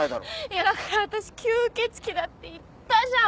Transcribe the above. いやだから私吸血鬼だって言ったじゃん！